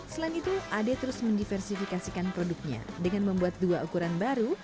selain itu ade terus mendiversifikasikan produknya dengan membuat dua ukuran baru